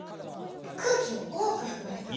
空気を多く含ませてください。